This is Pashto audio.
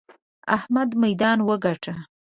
احمد ميدان وګاټه!